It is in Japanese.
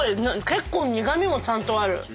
結構苦味もちゃんとある。